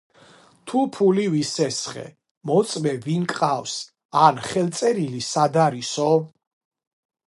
თუ ფული ვისესხე, მოწმე ვინ გყავს, ან ხელწერილი სად არისო?